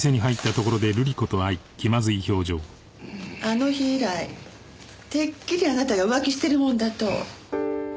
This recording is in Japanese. あの日以来てっきりあなたが浮気してるもんだと。